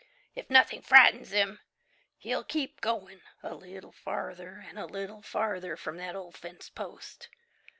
If nothing frightens him, he'll keep going a little farther and a little farther from that old fence post.